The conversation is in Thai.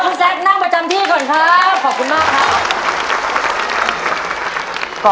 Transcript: คุณแซคนั่งประจำที่ก่อนครับขอบคุณมากครับ